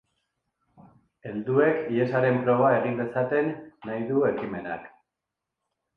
Helduek hiesaren proba egin dezaten nahi du ekimenak.